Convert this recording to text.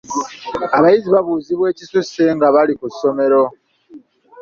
Abayizi babuuzibwa ekisusse nga bali ku ssomero.